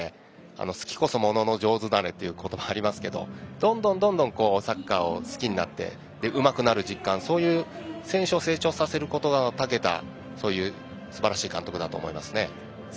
好きこそ物の上手なれという言葉がありますけどどんどんサッカーを好きになってうまくなる実感選手を成長させることにたけたすばらしい監督だと思います。